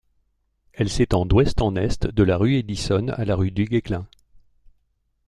Elle s'étend d'ouest en est de la rue Edison à la rue Duguesclin.